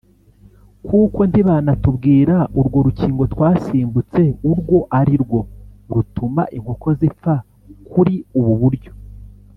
kuko ntibanatubwira urwo rukingo twasimbutse urwo ari rwo rutuma inkoko zipfa kuri ubu buryo